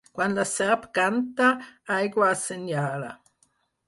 Quan la serp canta, aigua assenyala.